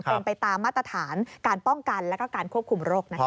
เป็นไปตามมาตรฐานการป้องกันแล้วก็การควบคุมโรคนะคะ